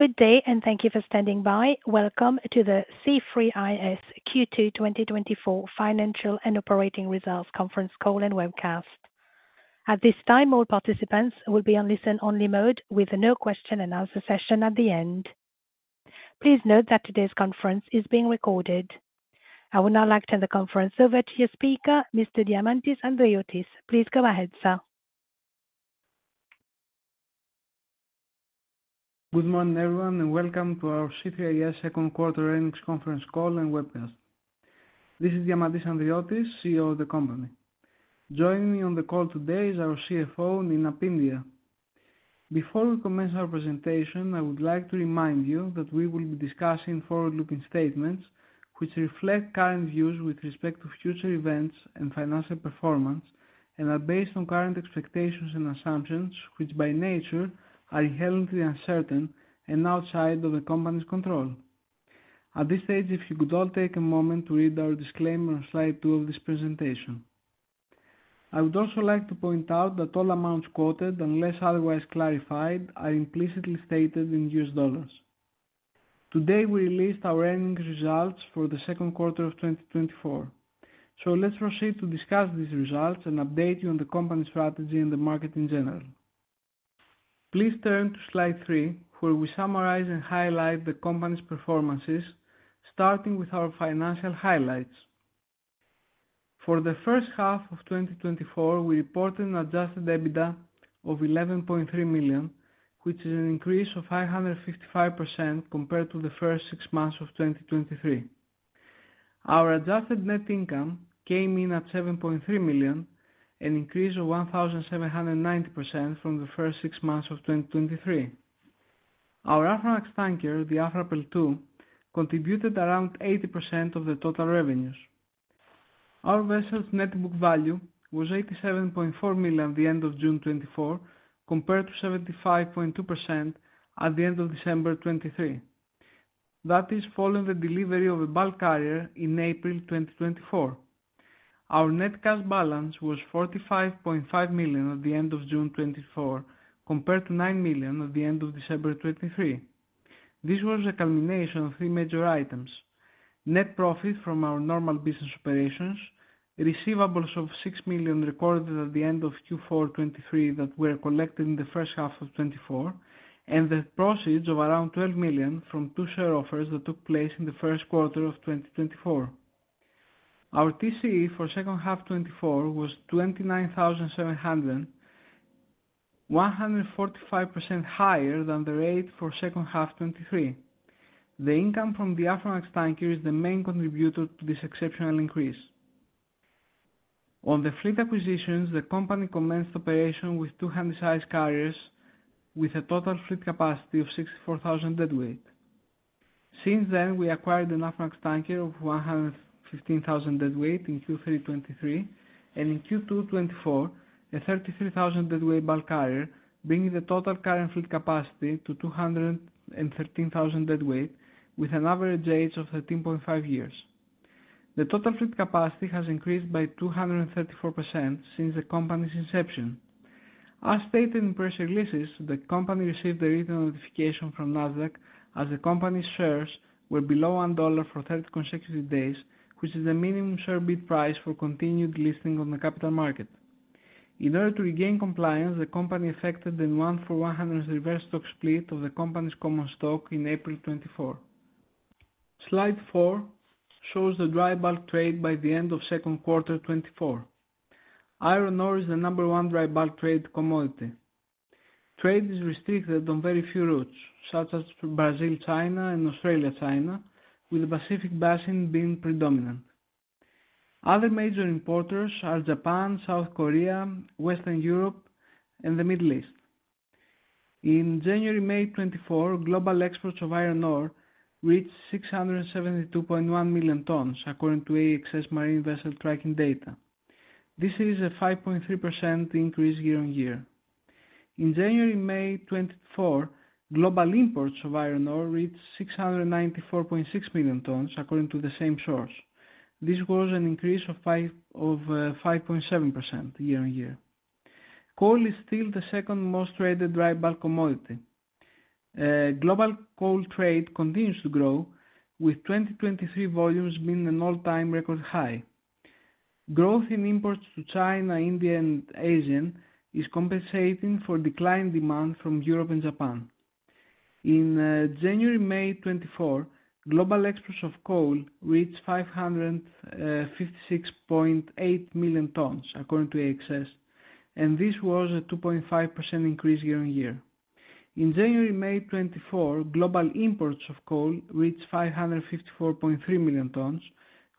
Good day, and thank you for standing by. Welcome to the C3IS Q2 2024 Financial and Operating Results Conference Call and Webcast. At this time, all participants will be on listen-only mode with a no question and answer session at the end. Please note that today's conference is being recorded. I would now like to turn the conference over to your speaker, Mr. Diamantis Andriotis. Please go ahead, sir. Good morning, everyone, and welcome to our C3is second quarter earnings conference call and webcast. This is Diamantis Andriotis, CEO of the company. Joining me on the call today is our CFO, Nina Pyndiah. Before we commence our presentation, I would like to remind you that we will be discussing forward-looking statements, which reflect current views with respect to future events and financial performance, and are based on current expectations and assumptions, which by nature are inherently uncertain and outside of the company's control. At this stage, if you could all take a moment to read our disclaimer on slide two of this presentation. I would also like to point out that all amounts quoted, unless otherwise clarified, are implicitly stated in U.S. dollars. Today, we released our earnings results for the second quarter of twenty twenty-four. So let's proceed to discuss these results and update you on the company's strategy and the market in general. Please turn to slide three, where we summarize and highlight the company's performances, starting with our financial highlights. For the first half of 2024, we reported an adjusted EBITDA of $11.3 million, which is an increase of 555% compared to the first six months of 2023. Our adjusted net income came in at $7.3 million, an increase of 1,790% from the first six months of 2023. Our Aframax tanker, the Afra Pearl II, contributed around 80% of the total revenues. Our vessel's net book value was $87.4 million at the end of June 2024, compared to $75.2 million at the end of December 2023. That is following the delivery of a bulk carrier in April 2024. Our net cash balance was $45.5 million at the end of June 2024, compared to $9 million at the end of December 2023. This was a culmination of three major items: net profit from our normal business operations, receivables of $6 million recorded at the end of Q4 2023 that were collected in the first half of 2024, and the proceeds of around $12 million from two share offers that took place in the first quarter of 2024. Our TCE for second half 2024 was $29,700, 145% higher than the rate for second half 2023. The income from the Aframax tanker is the main contributor to this exceptional increase. On the fleet acquisitions, the company commenced operation with two Handysize carriers with a total fleet capacity of 64,000 deadweight. Since then, we acquired an Aframax tanker of 115,000 deadweight in Q3 2023, and in Q2 2024, a 33,000 deadweight bulk carrier, bringing the total current fleet capacity to 213,000 deadweight, with an average age of 13.5 years. The total fleet capacity has increased by 234% since the company's inception. As stated in press releases, the company received a written notification from Nasdaq as the company's shares were below $1 for 30 consecutive days, which is the minimum share bid price for continued listing on the capital market. In order to regain compliance, the company effected a one-for-100 reverse stock split of the company's common stock in April 2024. Slide four shows the dry bulk trade by the end of second quarter 2024. Iron ore is the number one dry bulk trade commodity. Trade is restricted on very few routes, such as Brazil, China, and Australia, China, with the Pacific Basin being predominant. Other major importers are Japan, South Korea, Western Europe, and the Middle East. In January-May 2024, global exports of iron ore reached 672.1 million tons, according to AXSMarine vessel tracking data. This is a 5.3% increase year on year. In January-May 2024, global imports of iron ore reached 694.6 million tons, according to the same source. This was an increase of 5.7% year on year. Coal is still the second most traded dry bulk commodity. Global coal trade continues to grow, with 2023 volumes being an all-time record high. Growth in imports to China, India, and Asia is compensating for declining demand from Europe and Japan. In January-May 2024, global exports of coal reached 556.8 million tons, according to AXS, and this was a 2.5% increase year on year. In January-May 2024, global imports of coal reached 554.3 million tons,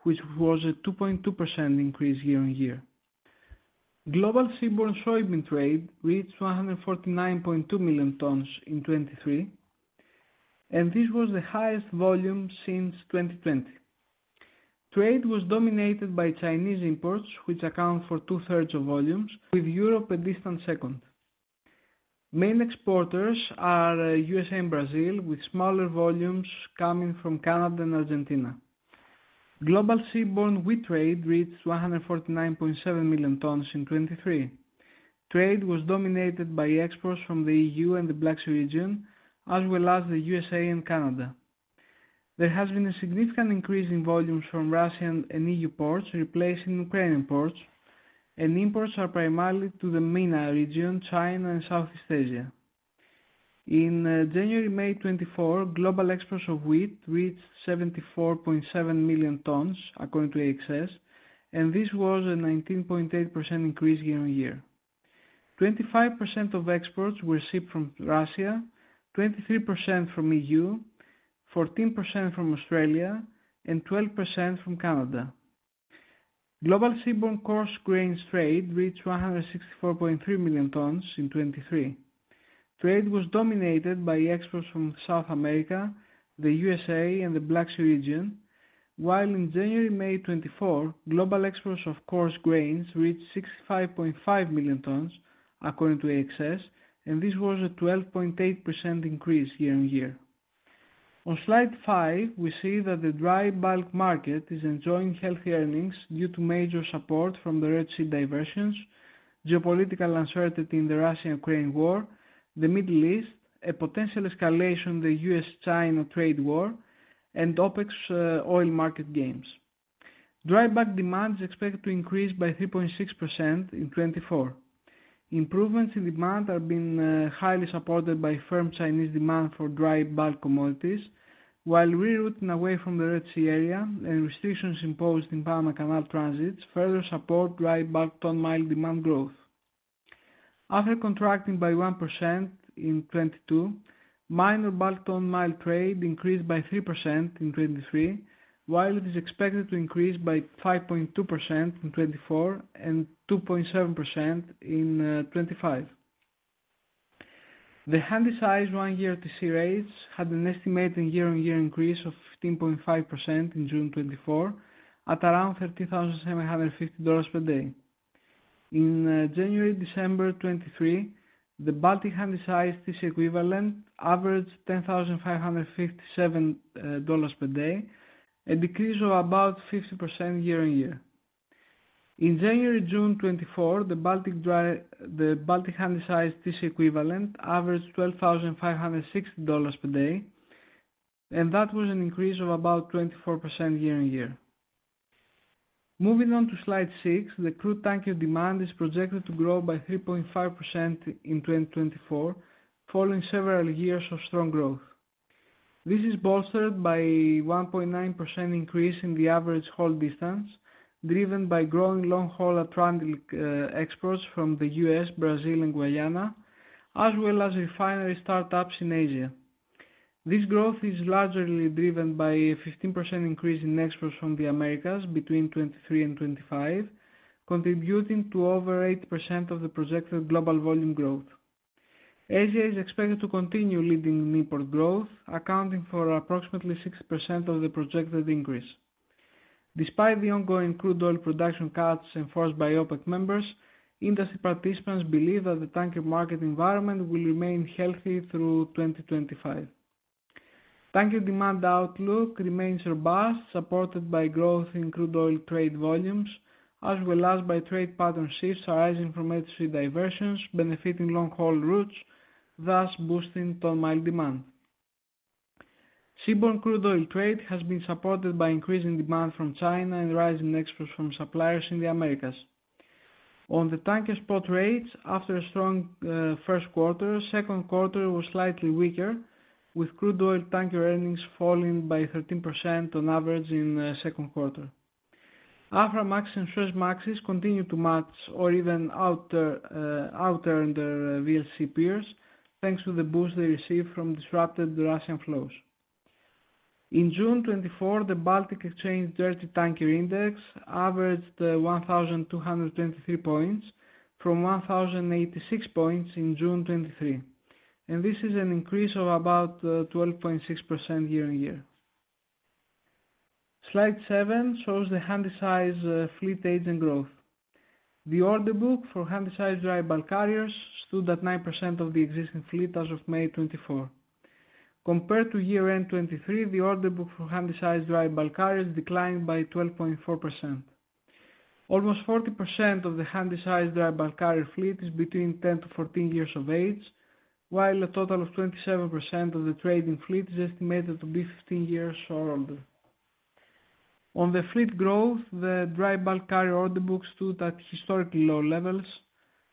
which was a 2.2% increase year on year. Global seaborne soybean trade reached 149.2 million tons in 2023, and this was the highest volume since 2020. Trade was dominated by Chinese imports, which account for two-thirds of volumes, with Europe a distant second. Main exporters are USA and Brazil, with smaller volumes coming from Canada and Argentina. Global seaborne wheat trade reached 149.7 million tons in 2023. Trade was dominated by exports from the EU and the Black Sea region, as well as the USA and Canada. There has been a significant increase in volumes from Russian and EU ports, replacing Ukrainian ports, and imports are primarily to the MENA region, China and Southeast Asia. In January-May 2024, global exports of wheat reached 74.7 million tons, according to AXS, and this was a 19.8% increase year on year. 25% of exports were shipped from Russia, 23% from EU, 14% from Australia, and 12% from Canada. Global seaborne coarse grains trade reached 164.3 million tons in 2023. Trade was dominated by exports from South America, the USA, and the Black Sea region, while in January 2024, global exports of coarse grains reached 65.5 million tons, according to AXS, and this was a 12.8% increase year on year. On slide five, we see that the dry bulk market is enjoying healthy earnings due to major support from the Red Sea diversions, geopolitical uncertainty in the Russian-Ukrainian war, the Middle East, a potential escalation in the US-China trade war, and OPEC's oil market gains. Dry bulk demand is expected to increase by 3.6% in 2024. Improvements in demand are being highly supported by firm Chinese demand for dry bulk commodities, while rerouting away from the Red Sea area and restrictions imposed in Panama Canal transits further support dry bulk ton mile demand growth. After contracting by 1% in 2022, minor bulk ton-mile trade increased by 3% in 2023, while it is expected to increase by 5.2% in 2024 and 2.7% in 2025. The Handysize one-year TC rates had an estimated year-on-year increase of 15.5% in June 2024, at around $30,750 per day. In January-December 2023, the Baltic Handysize TC equivalent averaged $10,557 per day, a decrease of about 50% year on year. In January-June 2024, the Baltic Handysize TC equivalent averaged $12,560 per day, and that was an increase of about 24% year on year. Moving on to slide six, the crude tanker demand is projected to grow by 3.5% in 2024, following several years of strong growth. This is bolstered by a 1.9% increase in the average haul distance, driven by growing long haul Atlantic exports from the U.S., Brazil and Guyana, as well as refinery startups in Asia. This growth is largely driven by a 15% increase in exports from the Americas between 2023 and 2025, contributing to over 80% of the projected global volume growth. Asia is expected to continue leading import growth, accounting for approximately 60% of the projected increase. Despite the ongoing crude oil production cuts enforced by OPEC members, industry participants believe that the tanker market environment will remain healthy through 2025. Tanker demand outlook remains robust, supported by growth in crude oil trade volumes, as well as by trade pattern shifts arising from Red Sea diversions, benefiting long-haul routes, thus boosting ton mile demand. Seaborne crude oil trade has been supported by increasing demand from China and rising exports from suppliers in the Americas. On the tanker spot rates, after a strong first quarter, second quarter was slightly weaker, with crude oil tanker earnings falling by 13% on average in second quarter. Aframax and Suezmaxes continue to match or even out earn their VLCC peers, thanks to the boost they received from disrupted Russian flows. In June 2024, the Baltic Dirty Tanker Index averaged 1,223 points, from 1,086 points in June 2023, and this is an increase of about 12.6% year on year. Slide seven shows the Handysize fleet age and growth. The order book for Handysize dry bulk carriers stood at 9% of the existing fleet as of May 2024. Compared to year-end 2023, the order book for Handysize dry bulk carriers declined by 12.4%. Almost 40% of the Handysize dry bulk carrier fleet is between 10 to 14 years of age, while a total of 27% of the trading fleet is estimated to be 15 years or older. On the fleet growth, the dry bulk carrier order book stood at historically low levels,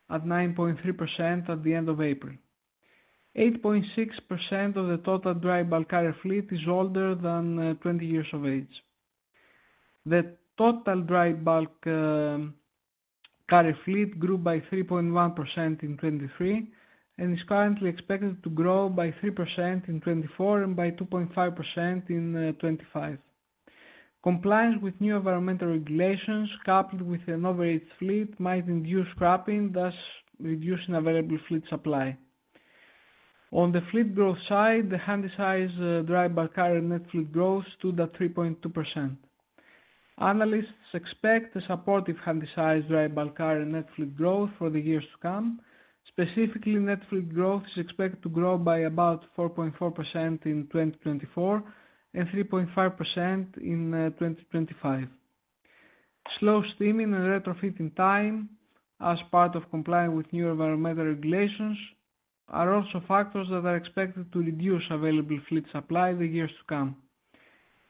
at 9.3% at the end of April. 8.6% of the total dry bulk carrier fleet is older than twenty years of age. The total dry bulk carrier fleet grew by 3.1% in 2023 and is currently expected to grow by 3% in 2024 and by 2.5% in 2025. Compliance with new environmental regulations, coupled with an overage fleet, might induce scrapping, thus reducing available fleet supply. On the fleet growth side, the Handysize dry bulk carrier net fleet growth stood at 3.2%. Analysts expect a supportive Handysize dry bulk carrier net fleet growth for the years to come. Specifically, net fleet growth is expected to grow by about 4.4% in 2024, and 3.5% in twenty twenty-five. Slow steaming and retrofitting time as part of complying with new environmental regulations are also factors that are expected to reduce available fleet supply in the years to come.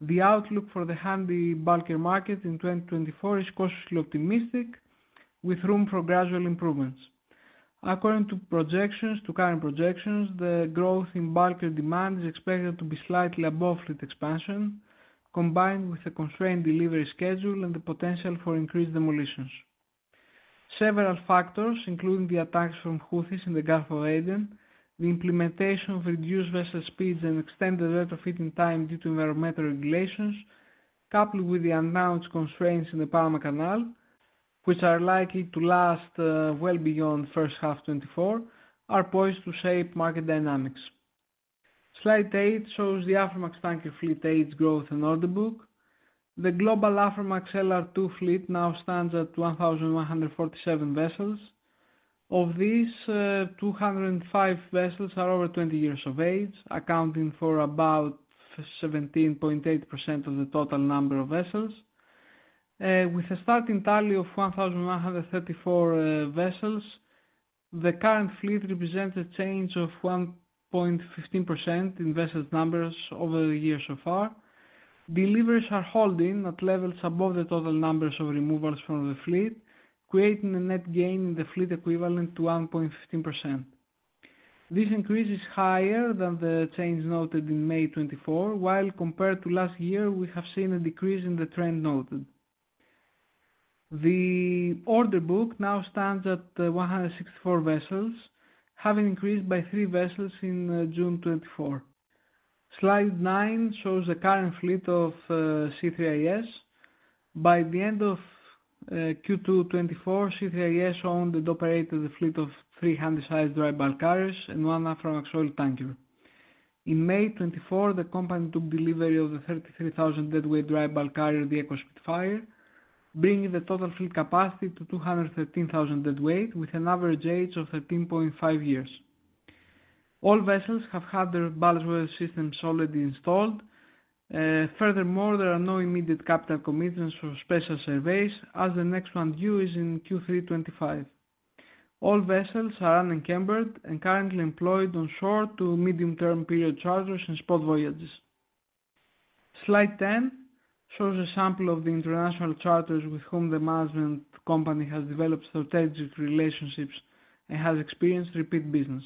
The outlook for the Handysize bulker market in 2024 is cautiously optimistic, with room for gradual improvements. According to current projections, the growth in bulker demand is expected to be slightly above fleet expansion, combined with a constrained delivery schedule and the potential for increased demolitions. Several factors, including the attacks from Houthis in the Gulf of Aden, the implementation of reduced vessel speeds and extended retrofitting time due to environmental regulations, coupled with the announced constraints in the Panama Canal, which are likely to last well beyond first half 2024, are poised to shape market dynamics. Slide 8 shows the Aframax tanker fleet age growth and order book. The global Aframax LR2 fleet now stands at 1,147 vessels. Of these, 205 vessels are over 20 years of age, accounting for about 17.8% of the total number of vessels. With a starting tally of 1,134 vessels, the current fleet represents a change of 1.15% in vessel numbers over the year so far. Deliveries are holding at levels above the total numbers of removals from the fleet, creating a net gain in the fleet equivalent to 1.15%. This increase is higher than the change noted in May 2024, while compared to last year, we have seen a decrease in the trend noted. The order book now stands at 164 vessels, having increased by three vessels in June 2024. Slide nine shows the current fleet of C3is. By the end of Q2 2024, C3is owned and operated a fleet of three handysize dry bulk carriers and one Aframax oil tanker. In May 2024, the company took delivery of the 33,000 deadweight dry bulk carrier, the Eco Spitfire, bringing the total fleet capacity to 213,000 deadweight, with an average age of 13.5 years. All vessels have had their ballast water systems already installed. Furthermore, there are no immediate capital commitments for special surveys, as the next one due is in Q3 2025. All vessels are unencumbered and currently employed on short to medium-term period charters and spot voyages. Slide 10 shows a sample of the international charters with whom the management company has developed strategic relationships and has experienced repeat business.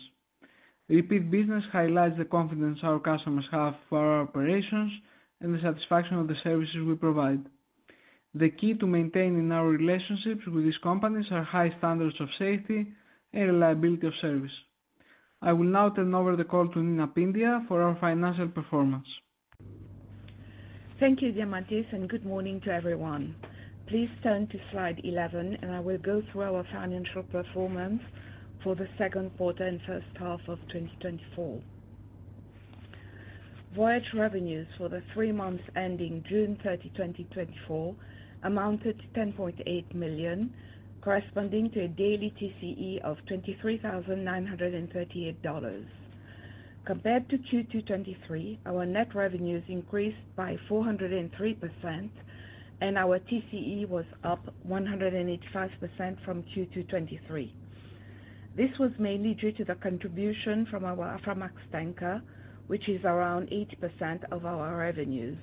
Repeat business highlights the confidence our customers have for our operations and the satisfaction of the services we provide. The key to maintaining our relationships with these companies are high standards of safety and reliability of service. I will now turn over the call to Nina Pyndiah for our financial performance. Thank you, Diamantis, and good morning to everyone. Please turn to slide 11, and I will go through our financial performance for the second quarter and first half of 2024. Voyage revenues for the three months ending June 30, 2024, amounted to $10.8 million, corresponding to a daily TCE of $23,938. Compared to Q2 2023, our net revenues increased by 403%, and our TCE was up 185% from Q2 2023. This was mainly due to the contribution from our Aframax tanker, which is around 80% of our revenues.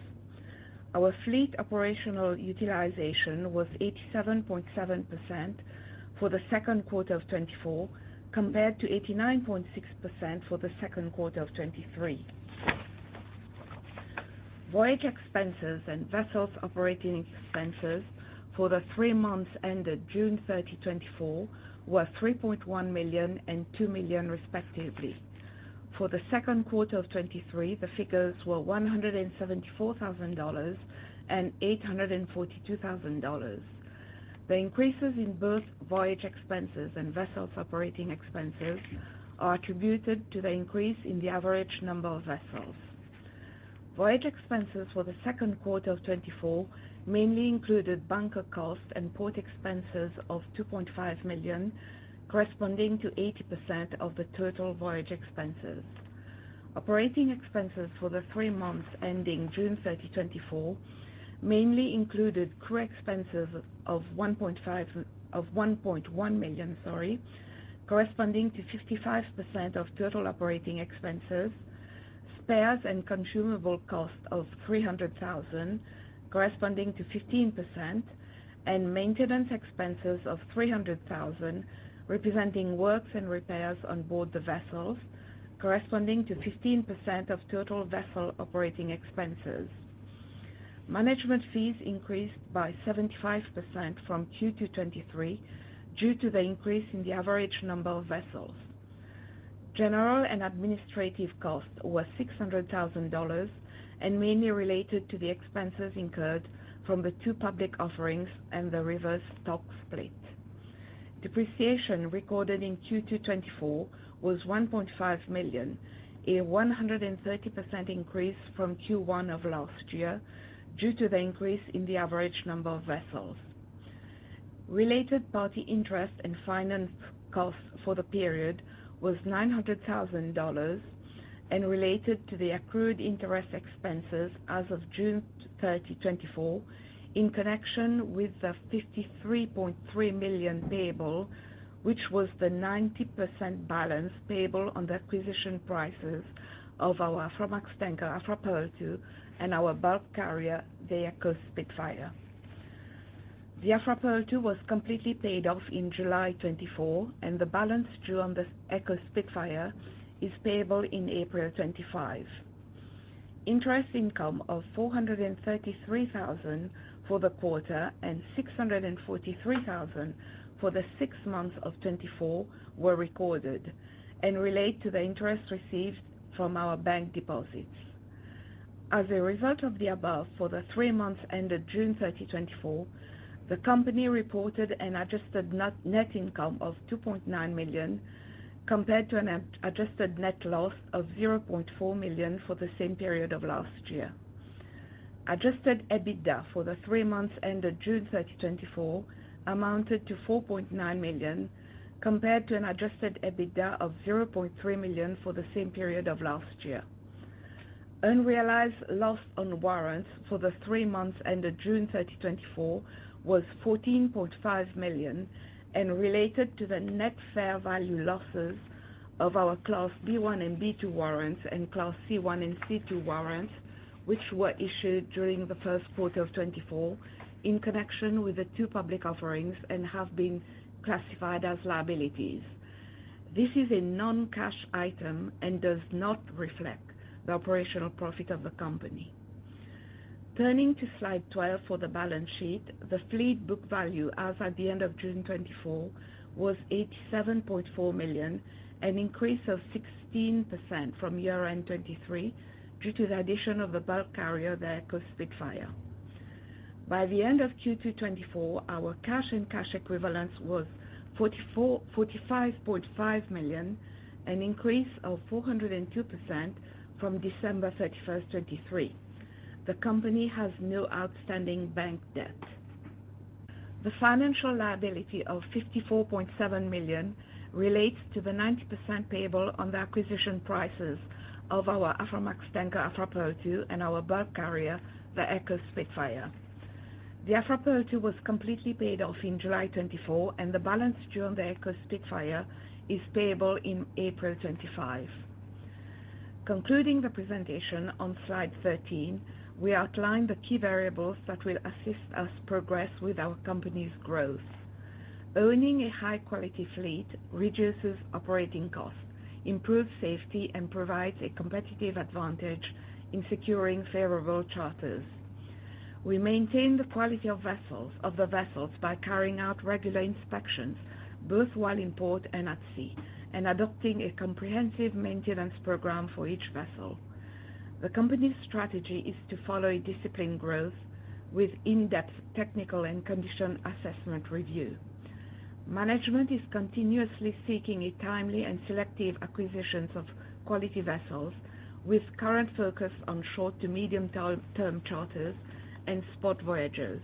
Our fleet operational utilization was 87.7% for the second quarter of 2024, compared to 89.6% for the second quarter of 2023. Voyage expenses and vessels operating expenses for the three months ended June 30, 2024, were $3.1 million and $2 million, respectively. For the second quarter of 2023, the figures were $174,000 and $842,000. The increases in both voyage expenses and vessels operating expenses are attributed to the increase in the average number of vessels. Voyage expenses for the second quarter of 2024 mainly included bunker costs and port expenses of $2.5 million, corresponding to 80% of the total voyage expenses. Operating expenses for the three months ending June 30, 2024, mainly included crew expenses of $1.1 million, sorry, corresponding to 55% of total operating expenses, spares and consumable costs of $300,000, corresponding to 15%, and maintenance expenses of $300,000, representing works and repairs on board the vessels, corresponding to 15% of total vessel operating expenses. Management fees increased by 75% from Q2 2023 due to the increase in the average number of vessels. General and administrative costs were $600,000 and mainly related to the expenses incurred from the two public offerings and the reverse stock split. Depreciation recorded in Q2 2024 was $1.5 million, a 130% increase from Q1 of last year, due to the increase in the average number of vessels. Related party interest and finance costs for the period was $900,000, and related to the accrued interest expenses as of June 30, 2024, in connection with the $53.3 million payable, which was the 90% balance payable on the acquisition prices of our Aframax tanker, Afra Pearl II, and our bulk carrier, the Eco Spitfire. The Afra Pearl II was completely paid off in July 2024, and the balance due on the Eco Spitfire is payable in April 2025. Interest income of $433,000 for the quarter, and $643,000 for the six months of 2024, were recorded and relate to the interest received from our bank deposits. As a result of the above, for the three months ended June 30, 2024, the company reported an adjusted net income of $2.9 million, compared to an adjusted net loss of $0.4 million for the same period of last year. Adjusted EBITDA for the three months ended June 30, 2024, amounted to $4.9 million, compared to an adjusted EBITDA of $0.3 million for the same period of last year. Unrealized loss on warrants for the three months ended June 30, 2024, was $14.5 million, and related to the net fair value losses of our Class B1 and B2 warrants, and Class C1 and C2 warrants, which were issued during the first quarter of 2024, in connection with the two public offerings and have been classified as liabilities. This is a non-cash item and does not reflect the operational profit of the company. Turning to Slide 12 for the balance sheet, the fleet book value as at the end of June 2024 was $87.4 million, an increase of 16% from year-end 2023, due to the addition of the bulk carrier, the Eco Spitfire. By the end of Q2 2024, our cash and cash equivalents was $45.5 million, an increase of 402% from December 31, 2023. The company has no outstanding bank debt. The financial liability of $54.7 million relates to the 90% payable on the acquisition prices of our Aframax tanker, Afra Pearl II, and our bulk carrier, the Eco Spitfire. The Afra Pearl II was completely paid off in July 2024, and the balance due on the Eco Spitfire is payable in April 2025. Concluding the presentation on Slide thirteen, we outline the key variables that will assist us progress with our company's growth. Owning a high-quality fleet reduces operating costs, improves safety, and provides a competitive advantage in securing favorable charters. We maintain the quality of vessels, of the vessels, by carrying out regular inspections, both while in port and at sea, and adopting a comprehensive maintenance program for each vessel. The company's strategy is to follow a disciplined growth with in-depth technical and condition assessment review. Management is continuously seeking a timely and selective acquisitions of quality vessels, with current focus on short to medium term charters and spot voyages.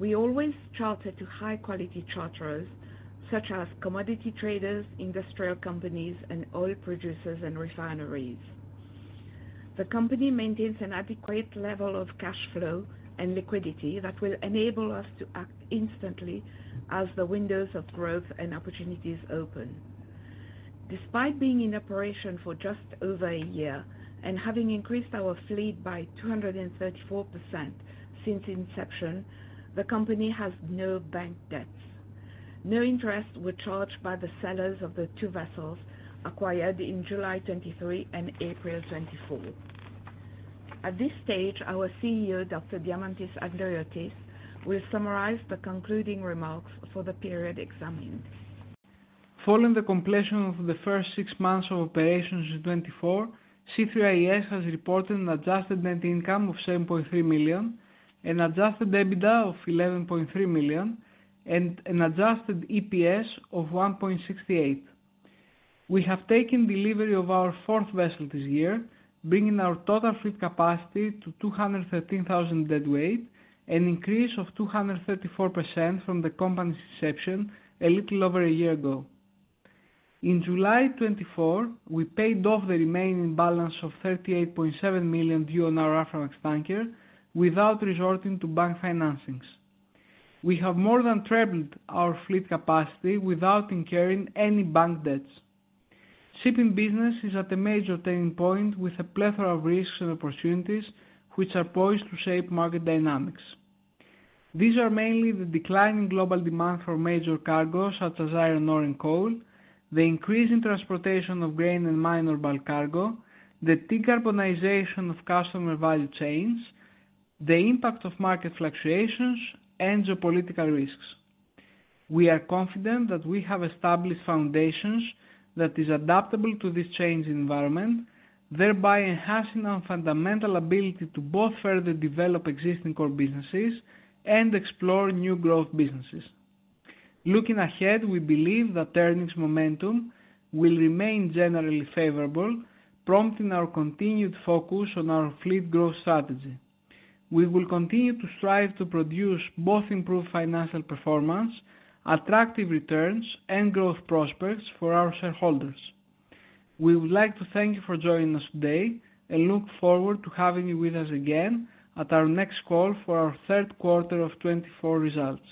We always charter to high-quality charterers, such as commodity traders, industrial companies, and oil producers and refineries. The company maintains an adequate level of cash flow and liquidity that will enable us to act instantly as the windows of growth and opportunities open. Despite being in operation for just over a year and having increased our fleet by 234% since inception, the company has no bank debts. No interest were charged by the sellers of the two vessels acquired in July 2023 and April 2024. At this stage, our CEO, Dr. Diamantis Andriotis, will summarize the concluding remarks for the period examined. Following the completion of the first six months of operations in 2024, C3is has reported an adjusted net income of $7.3 million, an adjusted EBITDA of $11.3 million, and an adjusted EPS of $1.68. We have taken delivery of our fourth vessel this year, bringing our total fleet capacity to 213,000 deadweight, an increase of 234% from the company's inception a little over a year ago. In July 2024, we paid off the remaining balance of $38.7 million due on our Aframax tanker without resorting to bank financings. We have more than trebled our fleet capacity without incurring any bank debts. Shipping business is at a major turning point, with a plethora of risks and opportunities which are poised to shape market dynamics. These are mainly the declining global demand for major cargos, such as iron ore and coal, the increase in transportation of grain and minor bulk cargo, the decarbonization of customer value chains, the impact of market fluctuations, and geopolitical risks. We are confident that we have established foundations that is adaptable to this changing environment, thereby enhancing our fundamental ability to both further develop existing core businesses and explore new growth businesses. Looking ahead, we believe that earnings momentum will remain generally favorable, prompting our continued focus on our fleet growth strategy. We will continue to strive to produce both improved financial performance, attractive returns, and growth prospects for our shareholders. We would like to thank you for joining us today, and look forward to having you with us again at our next call for our third quarter of 2024 results.